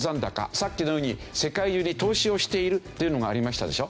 さっきのように世界中に投資をしているっていうのがありましたでしょ。